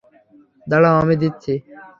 দাঁড়াও, আমি দিচ্ছি।